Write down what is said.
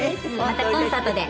またコンサートで。